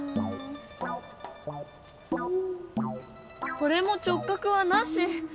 これも直角はなし。